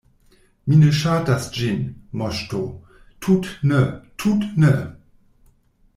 “Mi ne ŝatas ĝin, Moŝto, tut’ ne, tut’ ne!”